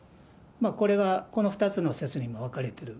これが、この２つの説に分かれてる。